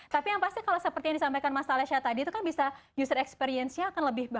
tapi yang pasti kalau seperti yang disampaikan mas talesha tadi itu kan bisa user experience nya akan lebih baik